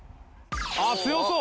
ああ強そう！